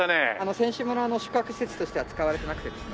選手村の宿泊施設としては使われてなくてですね